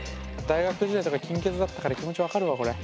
大学時代とか金欠だったから気持ち分かるわこれ。